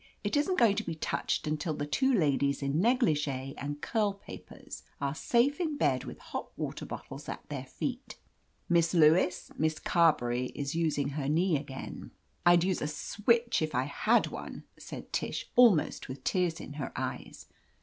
"It isn't going to be touched until the two ladies in negligee and curl papers are safe in bed with hot water bottles at their feet. Miss Lewis, Miss Carbeny is using her knee again !" "I'd use a switch if I had one," said Tish, almost with tears in her eyes.